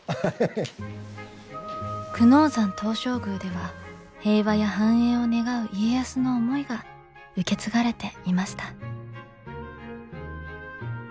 久能山東照宮では平和や繁栄を願う家康の思いが受け継がれていました。